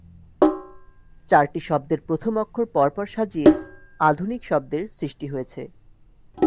চারটি শব্দের প্রথম অক্ষর পর পর সাজিয়ে ‘আধূনিক’ শব্দের সৃষ্টি হয়েছে।